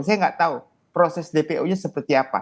saya nggak tahu proses dpo nya seperti apa